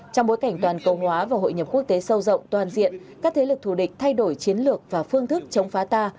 trong bối cảnh toàn cầu hóa và hội nhập quốc tế sâu rộng toàn diện các thế lực thù địch thay đổi chiến lược và phương thức chống phá ta